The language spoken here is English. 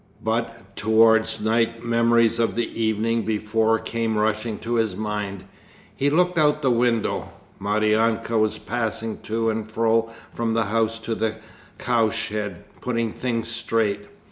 But towards night memories of the evening before came rushing to his mind. He looked out of the window, Maryanka was passing to and fro from the house to the cowshed, putting things straight.